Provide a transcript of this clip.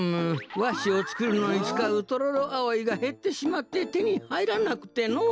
わしをつくるのにつかうトロロアオイがへってしまっててにはいらなくてのう。